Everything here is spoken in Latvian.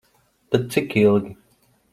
Tad cik ilgi?